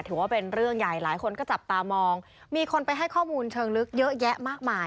ถือว่าเป็นเรื่องใหญ่หลายคนก็จับตามองมีคนไปให้ข้อมูลเชิงลึกเยอะแยะมากมาย